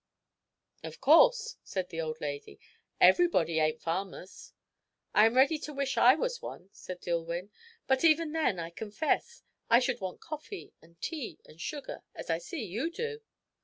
"Of course," said the old lady; "everybody ain't farmers." "I am ready to wish I was one," said Dillwyn. "But even then, I confess, I should want coffee and tea and sugar as I see you. do."